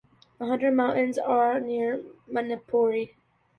The Hunter Mountains are near Manapouri.